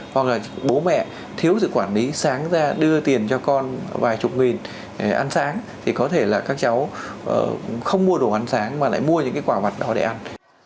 hoặc là bố mẹ thiếu sự quản lý sáng ra đưa tiền cho con vài chục nghìn để ăn sáng thì có thể là các cháu không mua đồ ăn sáng mà lại mua những cái quả vặt đó để ăn